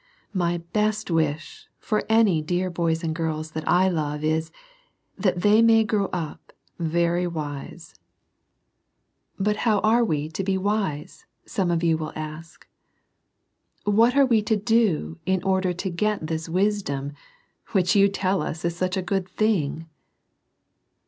My best wish for any dear boys and girls that I love is, that they may grow up very wise. 44 SERMONS FOR CHILDREN. But how are we to be wise ? some of you will ask. What are we to do in order to get this wisdom, which you tell us is such a good thing